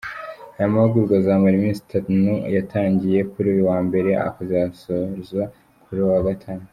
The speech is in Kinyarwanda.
Aya mahugurwa azamara iminsi itanu yatangiye kuri uyu wa mbere akazasozwa ku wa gatanu.